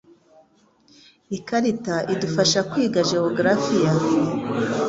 Ikarita idufasha kwiga geografiya.